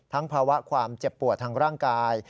ภาวะความเจ็บปวดทางร่างกาย